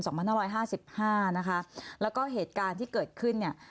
นะคะและก็เหตุการณ์ที่เกิดขึ้นนี่